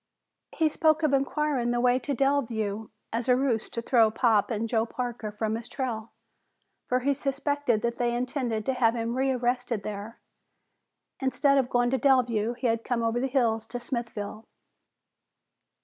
He spoke of inquiring the way to Delview as a ruse to throw Pop and Joe Parker from his trail, for he suspected that they had intended to have him rearrested there. Instead of going to Delview, he had come over the hills to Smithville.